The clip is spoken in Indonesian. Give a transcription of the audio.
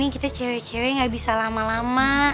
kita cewek cewek gak bisa lama lama